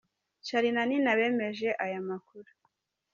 Charly na Nina bemeje aya makuru.